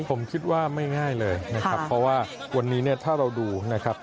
ผมคิดว่าไม่ง่ายเลยนะครับเพราะว่าวันนี้เนี่ยถ้าเราดูนะครับ